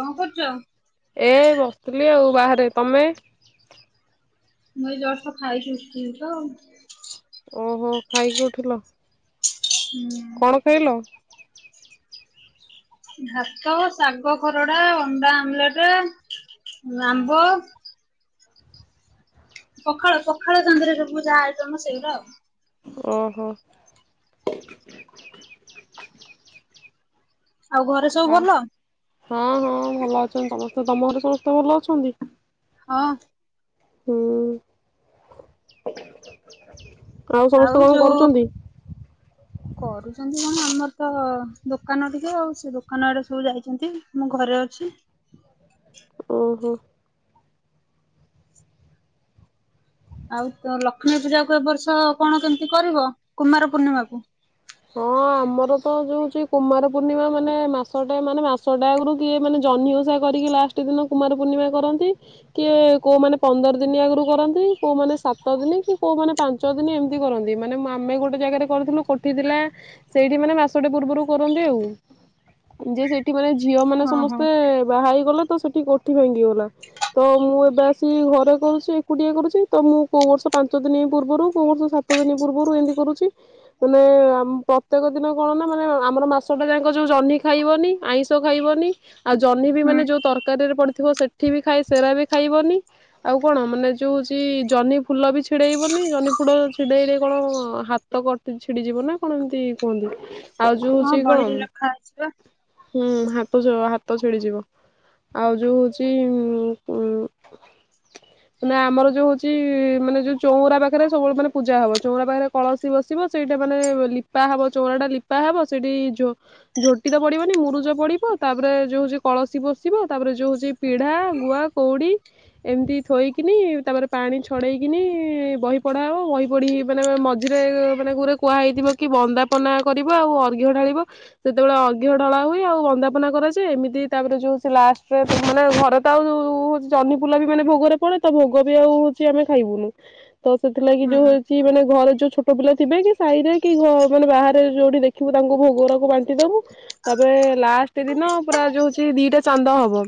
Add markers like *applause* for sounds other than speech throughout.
କଣ କରୁଛ? ଏ ବସିଥିଲି ଆଉ ବାହାରେ। ତମେ? ମୁଁ ଏଇ ଜଷ୍ଟ ଖାଇକି ଉଠିଲି ତ। ଓହୋ ଖାଇକି ଉଠିଲ? ହୁଁ। କଣ ଖାଇଲ? ଭାତ ଶାଗ ଖରଡ଼ା ଅଣ୍ଡା ଆମଲେଟ ଆମ୍ବ। ପଖାଳ ପଖାଳ ଚାନ୍ଦାରେ ଯଉ ପୂଜା ଆଇଟମ ସେଇଟା ଆଉ। ଓହୋ। ଆଉ ଘରେ ସବୁ ଆ ଭଲ? ହଁ ହଁ ଭଲ ଅଛନ୍ତି ସମସ୍ତେ ତମ ଘରେ ସମସ୍ତେ ଭଲ ଅଛନ୍ତି। ହଁ। ହୁଁ। ସମସ୍ତେ ଆଉ କଣ ଯୋଉ କରୁଛନ୍ତି? କରୁଛନ୍ତି କଣ ଆମର ତ ଦୋକାନ ଟିକେ ଆଉ ସେ ଦୋକାନ ଆଡେ ସବୁ ଯାଇଛନ୍ତି ମୁଁ ଘରେ ଅଛି। ଓହୋ। ଆଉ ତ ଲକ୍ଷ୍ମୀ ପୂଜା କୁ ଏ ବର୍ଷ କଣ କେମିତି କରିବ କୁମାର ପୂର୍ଣ୍ଣିମାକୁ। ହଁ, ଆମର ତ ଯୋଉଛି। କୁମାର ପୂର୍ଣ୍ଣିମା ମାନେ ମାସଟା ମାନେ ମାସଟା ଆଗରୁ କିଏ ମାନେ ଜହ୍ନି ଓଷା କରିକି ଲାଷ୍ଟ ଦିନ କୁମାର ପୂର୍ଣ୍ଣିମା କରନ୍ତି। କିଏ କୋଉମାନେ ପନ୍ଦର ଦିନି ଆଗରୁ କରନ୍ତି। କୋଉମାନେ ସାତ ଦିନ କି କୋଉମାନେ ପାଞ୍ଚ ଦିନୀ ଏମିତି କରନ୍ତି। ମାନେ ଆମେ ଗୋଟେ ଜାଗାରେ କରିଥିଲୁ। ଉଠିଥିଲା ସେଇଠି ମାନେ ମାସଟିେ ପୂର୍ବରୁ କରନ୍ତି। ଆଉ ଯେ ସେଠି ମାନେ ଝିଅ ମାନେ ହଁ ହଁ ସମସ୍ତେ ବାହା ହେଇଗଲା ତ ସେଠି କଠି ମ୍ଭାଙ୍ଗି ଗଲା। ତ ମୁଁ ଏବେ ଆସି ଘରେ କରୁଛି। ଏକୁଟିଏ କରୁଛି। ତ ମୁଁ କୋଉ ବର୍ଷ ପାଞ୍ଚ ଦିନ ପୂର୍ବରୁ କୋଉ ବର୍ଷ ସାତ ସତ ଦିନ ପୂର୍ବରୁ ଏମିତି କରୁଛି। ମାନେ ପ୍ରତ୍ୟେକ ଦିନ କଣ ନା। ମାନେ ଆମର ମାସଟା ଯାଇକ ଯୋଉ ଜହ୍ନି ଖାଇବନି। ଆଇଁଷ ଖାଇବନି। ଆଉ ଜହ୍ନି ବି ହୁଁ ମାନେ ଯୋଉ ତରକାରୀ ରେ ପଡିଥିବ। ସେଠି ବି ଖାଇ ସେରା ବି ଖାଇବନି। ଆଉ କଣ ମାନେ ଯୋଉ ହଉଛି ଜହ୍ନି ଫୁଲ ବି ଛିଡେଇବନି। ଜହ୍ନି ଫୁଲ ଛିଡେଇରେ କଣ ହାତ କ ଛିଡିଯିବ ନା କଣ ଏମିତି କୁହନ୍ତି। ଆଉ ଯୋଉ ହଁ ହଉଛି ବହିରେ ଲେଖା ହେଇଛି ବା କଣ ହୁଁ ହାତ ଛିଡିଯିବ ଆଉ ଯୋଉ ହଉଛି। ଉ *inaudible* ମାନ ଆମର ଯୋଉ ହଉଛି। ମାନେ ଯୋଉ ଚଉରା ପାଖରେ ସବୁବେଳେ ମାନେ ପୂଜା ହବ। ଚଉରା ପାଖରେ କଳସୀ ବସିବ। ସେଇଟା ମାନେ ଲିପା ହବ। ଚଉରା ଟା ଲିପା ହବ ସେଇଠି ଝୋଟି ତ ପଡିବନି ମୁରୁଜ ପଡିବ। ତାପରେ ଯୋଉ ହଉଛି କଳସୀ ବସିବା। ତାପରେ ଯୋଉ ହଉଛି ପିଢା ଗୁଆ କଉଡ଼ି। ଏମିତି ଥୋଇକିନି ତାପରେ ପାଣି ଛଡେଇକିନି ବହି ପଢା ହବ। ବହି ପଢିି ମାନେ ମଜ ମଝରେ ମାନେ ଗୋରେ କୁହାହଇଯଥିବ କି। ବନ୍ଦାପନା କରିବ ଆଉ ଅର୍ଘ ଢାଳିବ। ସେତେବେଳେ ଅଘିଅ ଢଳା ହୁଏ। ଆଉ ବନ୍ଦାପନା କରାଯାଏ। ଏମିତି ତାପରେ ଯୋଉ ଲାଷ୍ଟରୋନେ ଘରେ ତା ହଉଛି ଚହନିପୁଲା ବି ମାନେ ଭୋଗରେ ପଡେ ତା ଭୋଗ ବି ଆଉ ହଉଛି ଆମେ ଖାଇବୁନୁ। ତ ସେଥିଲାଗି ହୁଁ ଯୋଉ ହଉଛି। ମାନେ ଘରେ ଯୋଉ ଛୋଟ ପିଲା ଥିବେ କି ସାହିରେ କି ମାନେ ବାହାରେ ଯୋଉଠି ଦେଖିବୁ ତାଙ୍କୁ ଭୋଗରକୁ ବାଣ୍ଟି ଦବୁ। ତବେ ଲାଷ୍ଟ ଦିନ ପୁରା ଯୋ ହଉଛି। ଦିଟା ଚାନ୍ଦ ହବ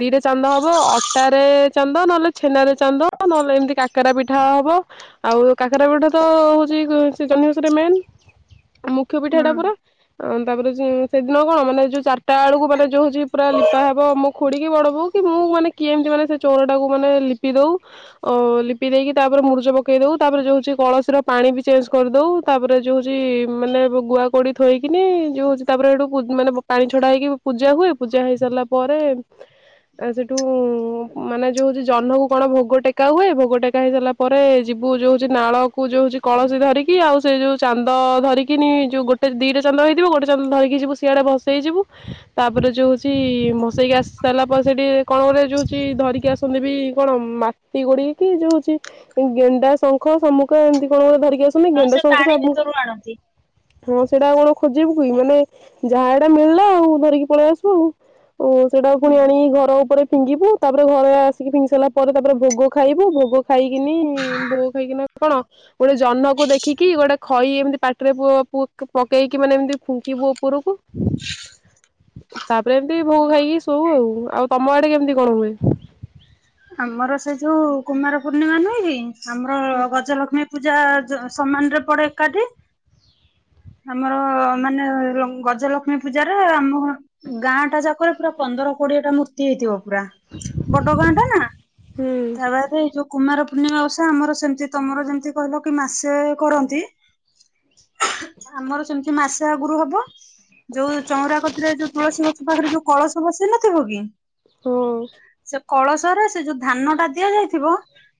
ଦିଟା ଚାନ୍ଦ ହବ ଅଟାରେ ଚାନ୍ଦ ନହେଲେ ଛେନାରେ ଚାନ୍ଦ ନହେଲେ ଏମିତି କାକରା ପିଠା ହବ। ଆଉ କାକରା ପିଠା ତ ହଉଛି ଜହ୍ନିଓସାରେ ମେନ୍ ମୁଖ୍ୟ ପିଠା ଏଟା ହୁଁ। ପୁରା। ଆ ତାପରେ ସେଦିନ କଣ ମାନେ ଯୋଉ ଚାରିଟା ବେଳକୁ ମାନେ ଯୋଉଛି ପୁର ଲିପା ହବ ମୁଁ ଖୁଡିକି ବଡବୁ। କି ବୋଉ ମାନେ କିଏ ଏମିତି ମାନେ ସେ ଚୋର ଟାକୁ ମାନେ ଲିପି ଦଉ। ଓ ଲିପି ଦେଇକି ତାପରେ ମୁରୁଜ ପକେଇ ଦବଉ। ତାପରେ ଯଉଛି କଳସୀର ପାଣି ବି ଚେଞ୍ଜ କରିଦେଉ। ତାପରେ ଯେଉଁଉଛି ମାନେ ଗୁଆ କୋଡ଼ି ଥୋଇକିନି ଯେଉଁ ହେଉଛି ତାପରେ ଏଇଠୁ ମାନେ ପାଣି ଛଡା ହେଇକି ପୂଜା ହୁଏ। ପୂଜା ହେଇ ସାରିଲା ପରେ ଆ ସେଠୁ ମାନେ ଯୋଉ ହଉଛି ଜହ୍ନକୁ କଣ ଭୋଗ ଟେକା ହୁଏ। ଭୋଗ ଟେକା ହେଇସାରିଲା ପରେ ଯିବୁ। ଯୋଉଛି ନାଳ କ ଯୋଉଛି କଳସୀ ଧରିକି ଆଉ ସେ ଯଉ ଚାନ୍ଦ ଧରିକିନି ଯଉ ଗୋଟେ ଦିଟା ଚାନ୍ଦ ହେଇଥିବ ଗୋଟେ ଚାନ୍ଦ ଧରିକି ଯିବୁ ସିଆଡ଼େ ବସ ଷେଇଯିବୁ ତାପରେ ଯେଉଁ ହେଉଛି। ମସେଇକି ଆସି ସାରିଲା ପରେ ସେଇଠି କଣ କୋ ଯେଉଛି ଧରିକି ଆସ। ବି କଣ ମାଟି ଗୋଡିିକ କି ଯୋଉଛି। ଗେଣ୍ଡା ଶଙ୍ଖ ଶମୁଖ ଏମିତି। କଣ ଗୋଟେ ଧରିକି ଆସନି ହଁ ଗେଣ୍ଡ ସେ ଶଙ୍ଖ ପାଣି ଭିତରୁ ଆଣନ୍ତି। ହଁ ସେଇଟା ଆଉ କଣ ଖୋଜେଇବୁ କି ମାନେ ଯାହା ଏଟା ମିଳିଲା ଆଉ ଧରିକି ପଳେଇ ଆସୁ। ଆଉ ସେଟା ହୁଁ। ପୁଣି ଆଣିକି ଘର ଉପରେ ଫିଙ୍ଗିବୁ। ତାପରେ ଘରେ ଆସିକି ଫିଙ୍ଗି ସାରିଲା ପରେ ତାପରେ ଭୋଗ ଖାଇବୁ ଭୋଗ ଖାଇକିନି ବୋଉ ଖାଇକନା କଣ ଗୋଟେ ଜହ୍ନକୁ ଦେଖିକି ଗୋଟେ ଖଇ ଏମିତି ପାଟିରେ ପକେଇକି। ମାନେ ଏମିତି ଫୁଙ୍କିବୁ ଉପରକୁ। ତାପରେ ଏମିତି ଭୋଉ ଖାଇକି ଶୋଉ ଆଉ। ଆଉ ତମ ଆଡେ କେମିତି କଣ ହୁଏ? ଆମର ସେ ଯୋଉ କୁମାର ପୂର୍ଣ୍ଣିମା ନୁହେଁ କି ଆମର ଗଜଲକ୍ଷ୍ମୀ ପୂଜା ସମାନ ରେ ପଡେ ଏକାଠି। ଆମର ମାନେ ଗଜଲକ୍ଷ୍ମୀ ପୂଜାରେ ଆମ ଗାଁ ଟା ଯାକରେ ପୁରା ପନ୍ଦର କୋଡିଏ ଟା ମୂର୍ତ୍ତି ହେଇଥିବ ପୁରା। ବଡ ଗାଁ ଟା। ନା। ହୁଁ ତା ବାଦ ଏଇ ଯୋଉ କୁମାର ପୂର୍ଣ୍ଣିମା ବବସା ଆମର ସେମତି ତମର ଯେମିତି କହିଲ କି ମାସେ କରନ୍ତି। ଆମର ସେମିତି ମାସ ଆଗୁରୁ ହବ। ଯୋଉ ଚଉରା କତିରେ ଯୋଉ ତୁଳସୀ ଗଛ ପାଖରେ ଯୋଉ କଳସ ବ ସେ ନଥିବ କି। ହଁ। ସେ କଳସ ରେ ସେ ଯୋଉ ଧାନ ଟା ଦିଆଯାଇଥିବ।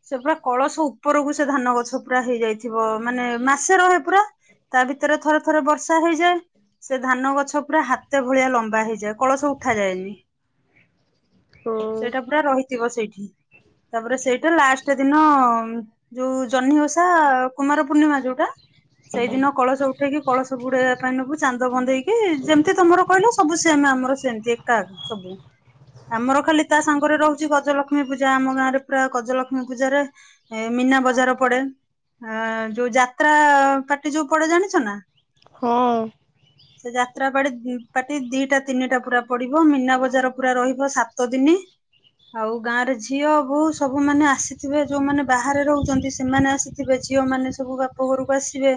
ସେ ପୁରା କଳସ ଉପରକୁ ସେ ଧାନ ଗଛ ପୁରା ହେଇଯାଇଥିବ ମାନେ ମାସେ ରହେ ପୁରା। ତା ଭିତରେ ଥରେ ଥରେ ବର୍ଷା ହେଇଯାଏ। ସେ ଧାନ ଗଛ ପୁରା ହାତେ ଭଳିଆ ଲମ୍ବା ହେଇଯାଏ କଳସ ଉଠାଯାଏନି। ହଁ ସେଇଟା ପୁରା ରହିଥିବ ସେଇଠି। ତାପରେ ସେଇଟା ଲାଷ୍ଟ ଦିନ ଉଁ ଯୋଉ ଜହ୍ନି ଓଷା କୁମାର ପୂର୍ଣ୍ଣିମା ଯୋଉଟା ସେଇଦିନ କଳସ ଉଠେଇକି କଳସ ବୁଡେଇବା ପାଇଁ ନବୁ ଚାନ୍ଦ ବନ୍ଦେଇକି ଯେମିତି ତମର କହିଲ ସବୁ ସ୍ ଦିନ୍ ଆମର ସେନ୍ତି ଏକା ସବୁ ଆମର ଖାଲି ତା ସାଙ୍ଗରେ ରହୁ ଚି ଗଜଲକ୍ଷ୍ମୀ ପୂଜା ଆମ ଗାଁରେ ପୁରା ଗଜଲକ୍ଷ୍ମୀ ପୂଜାରେ ଏ ମୀନା ବଜାର ପଡେ। ଆ ଯୋଉ ଯାତ୍ରା ପାର୍ଟି ଯୋଉ ପଡେ ଜାଣିଛ ନା। ହଁ। ସେ ଯାତ୍ରା ପାଟି ଉଁ ପାର୍ଟି ଦିଟା ତିନିଟା ପୁରା ପଡିବ ମୀନା ବଜାର ପୁରା ରହିବ ସାତ ଦିନି। ଆଉ ଗାଁରେ ଝିଅ ବୋହୂ ସବୁମାନେ ଆସିଥିବେ ଯୋଉମାନେ ବାହାରେ ରହୁଛନ୍ତି ସେମାନେ ଆସିି ଥିବେ ଝିଅ ମାନେ ସବୁ ବାପଘରୁକୁ ଆସିବେ।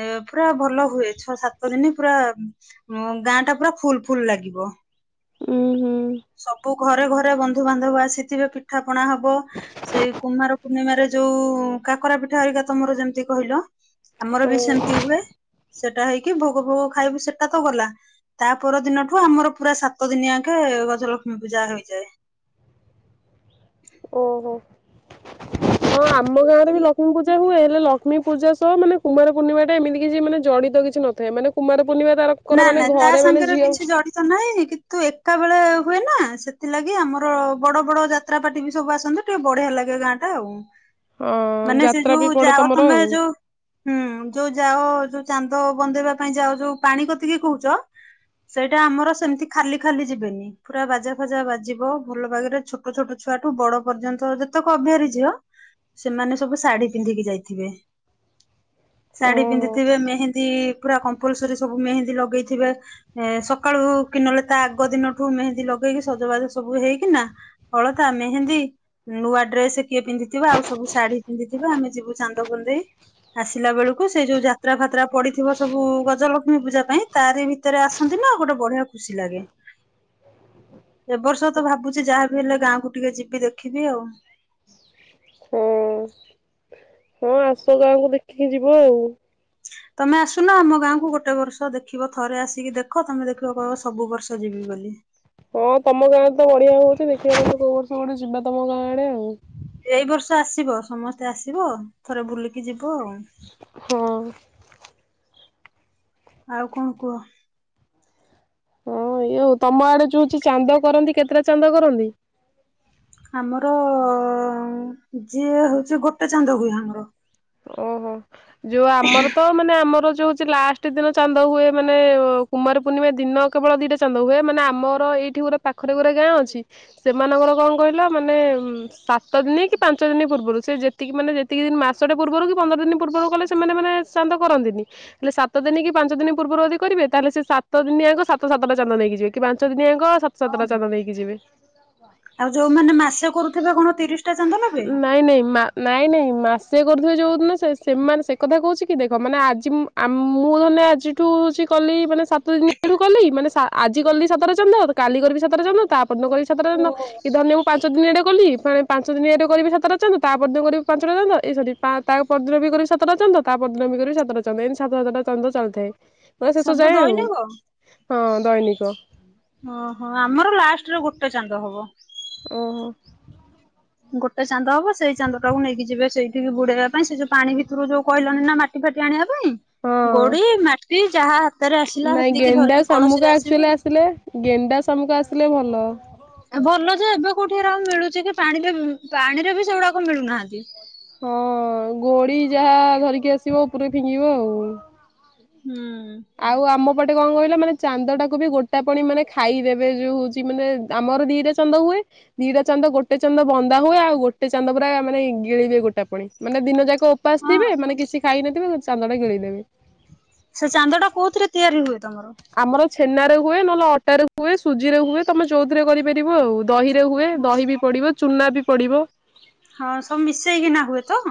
ଏ ପୁରା ଭଲ ହୁଏ ଛଅ ସାତ ଦିନି ପୁରା ଉଁ ଗାଁଟା ପୁରା ଫୁଲ୍ ଫୁଲ୍ ଲାଗିବ ଉୁଁ ହୁଁ ସବୁ ଘରେ ଘରେ ବନ୍ଦ୍ ଧୁବାନ୍ଧବ ଆସିଥିବେ ପିଠା ପଣା ହବ। ସେଇ କୁମାର ପୂର୍ଣ୍ଣିମାରେ ଯୋଉ କାକରା ପିଠା ହେରିକା ତମର ଯେମତି କହିଲ ଆମର ବି ସେମତି ଓ ହୁଏ ସେଟା ହେଇକି ଭୋଗ ଫୋଗ ଖାଇବୁ ସେଟା ତ ଗଲା। ତା ପର ଦିନଠୁ ଆମର ପୁରା ସାତ ଦିନିଆଙ୍କେ ଗଜଲକ୍ଷ୍ମୀ ପୂଜା ହୋଇଯାଏ। ଓହୋ ହଁ ଆମ ଗାଁରେ ବି ଲକ୍ଷ୍ମୀ ପୂଜା ହୁଏ ହେଲେ ଲ କ୍ଷ୍ମୀ ପୂଜା ସହ ମାନେ କୁମାର ପୂର୍ଣିମାଟା ଏମିତି କିଛି ମାନେ ଜଡିତ କିଛି ନଥାଏ ମାନେ କୁମାର ପୂର୍ଣ୍ଣିମା ତାର କର ମାନେ ଘରେ ମାନେ ଝିଅ ସା ନାହିଁ କିତୁ ଏକାବେଳେ ହୁଏ ନା ସେଥିଲାଗି ଆମର ବଡ ବଡ ଯା ତ୍ରାପାଟି ବି ସବୁ ଆସନ୍ତି ଟିକେ ବଢିଆ ଲାଗେ ଗାଁଟା ଆଉ। ହଁ ମାନେ ସେ ଯାତ୍ରା ବି ଯୋଉ ପଡେ ଯାଅ ତମର ତମେ ଆଉ। ଯୋଉ ହୁଁ ଯୋଉ ଯାଅ ଯୋଉ ଚାନ୍ଦ ବନ୍ଦେଇବା ପାଇଁ ଯାଅ ଯୋଉ ପାଣି କତିକି କହୁଚ ସେଇଟା ଆମର ସେମତି ଖାଲି ଖାଲି ଯିବେନି। ପୁରା ବାଜା ଫାଜା ବାଜିବ ଭଲ ବାଗେରେ ଛୋଟ ଛୋଟ ଛୁଆଠୁ ବଡ ପର୍ଯ୍ୟନ୍ତ ଯେତକ ଅବିହାରୀ ଝିଅ ସେମାନେ ସବୁ ଶାଢୀ ପିନ୍ଧିକି ଯାଇଥିବେ। ଶାଢୀ ଓହୋ। ପିନ୍ଧିଥିବେ ମେହେନ୍ଦୀ ପୁରା କମ୍ପଲସରୀ ସବୁ ମେହେନ୍ଦୀ ଲଗେଇଥିବେ। ଏଁ ସକାଳୁ କି ନହେଲେ ତା ଆଗ ଦିନଠୁ ମେହେନ୍ଦୀ ଲଗେଇକି ସଜବାଜ ସବୁ ହେଇକିନା ଅଳତା ମେହେନ୍ଦୀ ନୂଆ ଡ୍ରେସେ କିଏ ପିନ୍ଧିଥିବ ଆଉ ସବୁ ଶାଢୀ ପିନ୍ଧିଥିବେ ଆମେ ଯିବୁ ଚାନ୍ଦ ଗୁନ୍ଦେଇ। ଆସିଲା ବେଳୁକୁ ସେଇ ଯୋଉ ଯାତ୍ରା ଫାତ୍ରା ପଡିଥିବ ସବୁ ଗ ଜଲକ୍ଷ୍ମୀ ପୂଜା ପାଇଁ ତାରି ଭିତେରେ ଆସନ୍ତି ନା ଗୋଟେ ବଢିଆ ଖୁସି ଲାଗେ। ଏ ବର୍ଷ ତ ଭାବୁଚି ଯାହା ବିି ହେଲେ ଗାଁକୁ ଟିକେ ଯିବି ଦେଖିବି ଆଉ। ହଁ ହଁ ଆସ ଗାଁକୁ ଦେଖିକି ଯିବ ଆଉ। ତମେ ଆସୁନ ଆମ ଗାଁକୁ ଗୋଟେ ବର୍ଷ ଦେଖିବ ଥରେ ଆସିକି ଦେଖ ତମେ ଦେଖିବ କହିବ ସବୁ ବର୍ଷ ଯିବି ବୋଲି। ହଁ ତମ ଗାଁରେ ତ ବଢିଆ ହଉଛି ଦେଖିବା ନହେନେ କୋଉ ବର୍ଷ ଗୋଟେ ଯିବା ତମ ଗାଁ ଆଡେ ଆଉ। ଏଇ ବର୍ଷ ଆସିବ ସମସ୍ତେ ଆସିବ ଥରେ ବୁଲିକି ଯିବ ଆଉ। ହଁ। ଆଉ କଣ କୁହ। ହଁ ଇଏ ଉ ତମ ଆଡେ ଯୋଉ ହଉଛି ଚାନ୍ଦ କରନ୍ତି କେତେଟା ଚାନ୍ଦ କରନ୍ତି। ଆମର ଯିଏ ହଉଛି ଗୋଟେ ଚାନ୍ଦ ହୁଏ ଆମର। ଓହୋ ଯୋଉ ଆମର ତ ମାନେ ଆମର ଯୋଉ ହଉଛି ଲାଷ୍ଟ ଦିନ ଚାନ୍ଦ ହୁଏ ମାନେ କୁମାର ପୂର୍ଣ୍ଣିମା ଦିନ କେବଳ ଦିଟା ଚାନ୍ଦ ହୁଏ ମାନେ ଆମର ଏଇଠି ଗୁରେ ପାଖରେ ଗୁରେ ଗାଁ ଅଛି ସେମାନଙ୍କର କଣ କହିଲ ମାନେ ଉଁ ସାତ ଦିନି କି ପାଞ୍ଚ ଦିନି ପୂର୍ବୁରୁ ସିଏ ଯେତିକି ମାନେ ଯେତିକି ଦିନ ମାସ୍ ସଟେ ପୂର୍ବରୁ କି ପନ୍ଦର ଦିନି ପୂର୍ବରୁ କଲେ ସେମାନେ ମାନେ ଚାନ୍ଦ କରନ୍ତିନି। ହେଲେ ସାତ ଦିନି କି ପାଞ୍ଚ ଦିନି ପୂର୍ବରୁ ଯଦି କରିବେ ତାହେଲେ ସେ ସାତ ଦିନିଆଙ୍କ ସାତ ସାତଟା ଚାନ୍ଦ ନେଇକ ଯିବେ କି ପାଞ୍ଚ ଦିନିଆଙ୍କ ସାତ୍ ଓହୋ ଆଉ ଯୋଉମାନେ ମାସେ କରୁଥିବେ କଣ ତିରିଶଟା ଚାନ୍ଦ ନେବେ। ନାଇଁ ନାଇଁ ମା ନାଇଁ ନାଇଁ ମାସ୍ ସିଏ କରୁଥିବେ ଯୋଉ ଦିନ ସେ ସେମାନେ ସେ କଥା କୋହୁଚି କି ଦେଖ ମାନେ ଆଜି ମୁଁ ଆମ୍ ମୁଁ ଧରନିଅ ଆଜି ଠୁ ହୋଉଚି କଲି ମାନେ ସାତ ଦିନଠୁ କଲି ମାନେ ସା ଆଜି କଲି ସାତଟ ଚାନ୍ଦ, କାଲି କରିବି ସାତଟ ଚ ଚାନ୍ଦ, ତାପର ଦିନ କରିବି ସାତଟ ଚାନ୍ଦ ଓହୋ। କି ଧରିନିଅ ମୁଁ ପାଞ୍ଚ ଦିନିଆଟା କଲି ଫେଣେ ପାଞ୍ଚ ଦିନଆଟେ କରିବି ସାତଟା ଚାନ୍ଦ ତାପରଦିନ କରିବି ପାଞ୍ଚଟା ଚାନ୍ଦ ଏଇ ସରି ପା ତା ପରଦିନ ବି କରିବି ସାତଟା ଚନ୍ଦ ତା ପରଦିନ ବି କରିବି ସାତଟା ଚନ୍ଦ ଏମତି ସାତ ସାତଟା ଚନ୍ଦ ଚାଲିଥାଏ। ତ ଶେଷକୁ ସବୁ ଯାଏ ଆଉ ଦୈନିକ? ହଁ ଦୈନିକ ଓହୋ ଆମର ଲାଷ୍ଟରେ ଗୋଟେ ଚାନ୍ଦ ହବ। ଓହୋ। ଗୋଟେ ଚାନ୍ଦ ହବ ସେଇ ଚାନ୍ଦଟାକୁ ନେଇକି ଯିବେ ସେଇଠିକି ବୁଡେଇବା ପାଇଁ ସେଇ ଯୋଉ ପାଣି ଭିତରୁ ଯୋଉ କହିଲନି ନା ମା ପାଟି ଫାଟି ଆଣିବା ପାଇଁ ହଁ। ଗୋଡି, ମାଟି, ଯାହା ହାତରେ ଆସିଲା ନାଇଁ ସେତିକି ଗେଣ୍ଡା, ଧରିକି କଳସୀରେ ଶାମୁକା ଆସିବେ। ଆକଚୋଲି ଆସିଲେ ଗେଣ୍ଡା, ଶାମୁକା ଆସିଲେ ଭଲ। ଏ ଭଲ ଯେ ଏବେ କୋଉଠି ହେରା ଆଉ ମିଳୁଚି କି ପାଣିରେ ପାଣିରେ ବି ସେଗୁଡାକ ମିଳୁନାହାନ୍ତି। ହଁ ଗୋଡି ଯାହା ଧରିକି ଆସିବ ଓପରେ ଫିଙ୍ଗିବ ଆଉ। ହୁଁ। ଆଉ ଆମ ପଟେ କଣ କହିଲା ମାନେ ଚାନ୍ଦଟାକୁ ବି ଗୋଟା ପଣି ମାନେ ଖାଇଦେବେ ଯୋଉ ହୋଉଚି ମାନେ ଆମର ଦିଟା ଚା ଚାନ୍ଦ ହୁଏ ଦିଟା ଚାନ୍ଦ ଗୋଟେ ଚାନ୍ଦ ବନ୍ଦା ହୁଏ ଆଉ ଗୋଟେ ଚାନ୍ଦ ପୁରା ମାନେ ଗିଳିବେ ଗୋଟା ପଣି ମାନେ ଦିନ ଯାକ ଓପାସ ହଁ ଥିବେ ମାନେ କିଛି ଖାଇ ନଥିବେ ସେ ଚାନ୍ଦଟା ଗିଳିଦେବେ। ସେ ଚାନ୍ଦଟା କୋଉଥିରେ ତିଆରି ହୁଏ ତମର? ଆମର ଛେନାରେ ହୁଏ ନହେଲେ ଅଟାରେ ହୁଏ ସୁଜିରେ ହୁଏ ତମେ ଯୋଉଥିରେ କରିପାରିବ ଆଉ। ଦହିରେ ହୁଏ ଦହି ବି ପଡ଼ିବ ଚୂନା ବି ପଡ଼ିବ। ହଁ ସବୁ ମିଶେଇକିନା ହୁଏ ତ।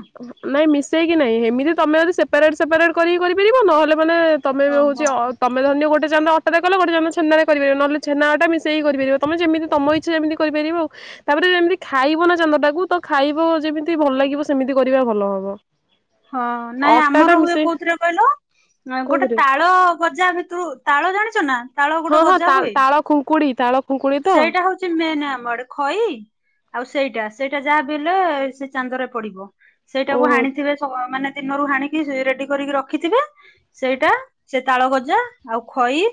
ନାଇଁ ମିଶେଇକି ନାଇଁ ହେମିତି ତମେ ଯଦି ସେପାରେଟ୍ ସେପାରେଟ୍ କରିକି କରିପାରିବ ନହେଲେ ମାନେ ତମେ ବି ହୋଉଚି ଓହୋ। ଅ ତମେ ଧରନିଅ ଗୋଟେ ଚାନ୍ଦ ଅଟାରେ କଲ ଗୋଟେ ଚାନ୍ଦ ଛେନାରେ କରି ପାରିବ ନହେଲେ ଛେନା ଅଟା ମିଶେଇକି କରିପାରିବ ତମେ ଯେମିତି ତମ ଇ ଛା ଯେମିତି କରିପାରିବ ଆଉ। ତାପରେ ଯେମତି ଖାଇବ ନା ଚାନ୍ଦଟାକୁ ତ ଖାଇବ ଯେମିତି ଭଲ ଲାଗିବ ସେମିତି କରିବା ଭଲ ହବ। ହଁ ହଁ ନାଇଁ ଆମର ହୁଏ କୋଉଥିରେ କହିଲ ଆଁ ଗୋଟେ କୋଉଥିରେ ତାଳ ଗଜା ଭିତୁ ତାଳ ଜାଣିଚ ନା? ତାଳ ଗୋଟେ ହଁ ହଁ ଗଜା ତା ହୁଏ। ତାଳ ଖୁଙ୍କୁଡି ତାଳ ଖୁଙ୍କୁଡି ତ ସେଇଟା ହୋଉଚି ମେନେ ଆମ ଆଡେ ଖଇ ଆଉ ସେଇଟା ସେଇଟା ଯାହା ବି ହେଲେ ସେ ଚାନ୍ଦରେ ପଡିବ ସେଇଟାକୁ ଓହୋ ହାଣିଥିବେ ଥୁଅ ମାନେ ଦିନରୁ ହାଣିକି ସେ ରେଡି କରିକି ରଖିଥିବେ ସେଇଟା ସେ ତାଳ ଗଜା ଆଉ ଖଇ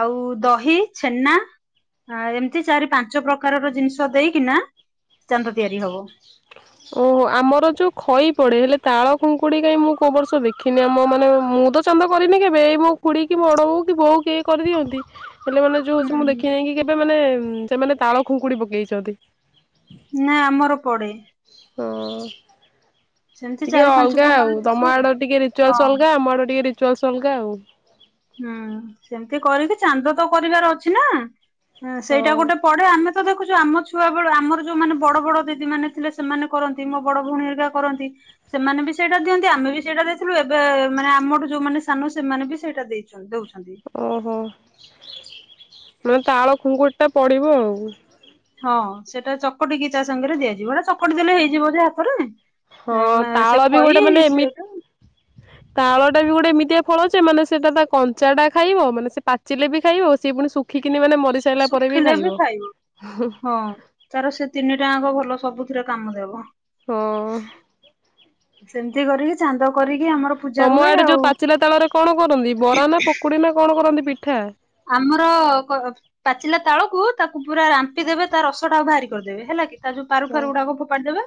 ଆଉ ଦହି ଛେନା ଆ ଏମତି ଚାରି ପାଞ୍ଚ ପ୍ରକାରର ଜିନିଷ ଦେଇକିନା ଚାନ୍ଦ ତିଆରି ହବ। ତ ଓହୋ ଆମର ଯୋଉ ଖଇ ପଡେ ହେଲେ ତାଳ ଖୁଙ୍କୁଡି କାଇଁ ମୁଁ କୋଉ ବର୍ଷ ଦେଖିନି ଆମ ମାନେ ମୁଁ ତ ଚାନ୍ଦ କରିନି କେବେ ଏଇ ମୋ ଖୁଡି କି ମୋ ବଡ ବୋଉ କି ବୋଉ କେହି କରିଦିଅନ୍ତି ହେଲେ ମାନେ ଯୋଉ ହୁଁ ହୋଉଚି ମୁଁ ହୁଁ ଦେଖି ନାଇଁକି କେବେ ମାନେ ସେମାନେ ତାଳ ଖୁଙ୍କୁଡି ପକେଇଚନ୍ତି। ନା ଆମର ପଡେ। ହଁ। ସେମିତି ଟିକେ ଚାରି ପାଞ୍ଚ ଅଲଗା ପ୍ରକାର ଆଉ ଜିନିଷ ତମ ଆଉ। ଆଡ ଟିକେ ହଁ ରିଚୁଆଲସ୍ ଅଲଗା ଆମ ଆଡ ଟିକେ ରିଚୁଆଲସ୍ ଅଲଗା ଆଉ। ହୁଁ ସେମତି କରିକି ଚାନ୍ଦ ତ କରିବାର ଅଛି ନା ଆଁ ସେଇଟା ହଁ ଗୋଟେ ପଢେ ଆମେ ତ ଦେଖୁଚୁ ଆମ ଛୁଆ ବେଳୁ ଆମର ଯୋଉମାନେ ବଡ ବଡ ଦିଦି ମାନ ଥିଲେ ସେମାନେ କର ସେଇ ମୋ ବଡ ଭୋଉଣୀ ହରିକା କରନ୍ତି। ସେମାନେ ବି ସେଇଟା ଦିଅନ୍ତି ଆମେ ବି ସେଇଟା ଦେଇଥିଲୁ ଏବେ ମାନେ ଆମଠୁ ଯୋଉମାନେ ସାନ ସେମାନେ ବି ସେଇଟା ଦେଇ ଛନ୍ ଦୋଉଛନ୍ତି। ଓହୋ ମାନେ ତାଳ ଖୁଙ୍କୁଡିଟା ପଡ଼ିବ ଆଉ। ହଁ ସେଟା ଚକଟିକି ତା ସାଙ୍ଗରେ ଦିଆଯିବଟା ଏଟା ଚକଟି ଦେଲେ ହେଇଯିବ ଯେ ହାତରେ। ହଁ ସେ ତାଳ ବି ଖଇ ଗୋଟେ ମାନେ ଏମି ସେଟା ତାଳଟା ବି ଗୋଟେ ଏମିତିଆ ଫଳ ଯେ ମାନେ ସେଟା ତା କଞ୍ଚାଟା ଖାଇବ ମାନେ ସେ ପାଚିଲେ ବି ଖାଇବ ସେ ପୁଣି ଶୁ ଖିକିନି ମାନେ ମରିସାଇଲା ପରେ ବି ଶୁଖିଲେ ଖାଇବ। ଚାର ସେ ତିନିଟା ଆଙ୍କ ଭଲ ସବୁଥିରେ କାମ ଦେବ। ହଁ। ସେମ୍ ତି କରିକି ଚାନ୍ଦ କରିକି ଆମର ପୂଜା ତମ ହୁଏ ଆଡେ ଯୋଉ ଆଉ। କୁଡ଼ିନା କଣ କରନ୍ତି ପିଠା? ଆମର କ ପାଚିଲା ତାଳକୁ ତାକୁ ପୁରା ରାମ୍ପିଦେବେ ତା ରସଟା ଆଉ ବାହାରି କରିଦେବେ ହେଲା କି। ତା ଯୋଉ ପାରୁ ହଁ ଫାରୁ ଉଡ଼ାକ ଫୋପାଡ଼ି ଦେବେ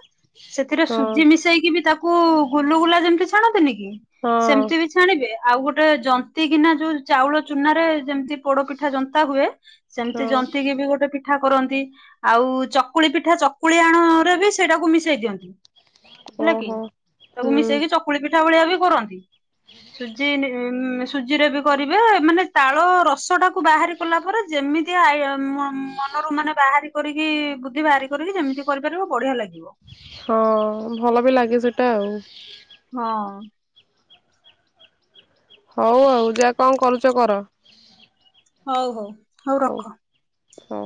ସେଥିରେ ହଁ ସୁଜି ମିଶେଇକି ବି ତା କୁ ଗୁଲୁ ଗୁଲା ଯେମତି ଛାଣନ୍ତିନି କି ହଁ ସେମିତି ବି ଛାଣିବେ ଆଉ ଗୋଟେ ଜନ୍ତିକିିନା ଯୋଉ ଚାଉଳ ଚୁନାରେ ଯେମତି ପୋଡ଼ ପିଠା ଜନ୍ତା ହୁଏ। ସେମିତି ହଁ ଜନ୍ତିକିି ବି ଗୋଟେ ପି ଠା କରନ୍ତି ଆଉ ଚକୁଳି ପିଠା ଚକୁଳି ଆଣରେ ବି ସେଇଟାକୁ ମିଶେଇ ଦିଅନ୍ତି। ହେଲା କି ଓହୋ। ତାକୁ ହୁଁ ମିଶେଇକି ଚ କୁଳି ପିଠା ଭଳିଆ ବି କରନ୍ତି ସୁଜି ନି ସୁଜିରେ ବି କରିବେ ମାନେ ତାଳ ରସଟାକୁ ବାହାରି କଲା ପରେ ଯେମିତିଆ ଆଇ ମ ମନରୁ ମାନେ ବାହାରି କରିକି ବୁଦ୍ଧି ବାହାରି କରିକି ଯେମିତି କରିପାରିବ ବଢ଼ିଆ ଲାଗିବ। ହଁ ଭଲ ବି ଲାଗେ ସେଟା ଆଉ। ହଁ। ହଉ ଆଉ ଯା କଁ କରୁଚ କର। ହଉ ହଉ। ହଉ ହଁ।